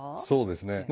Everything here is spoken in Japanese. そうですね。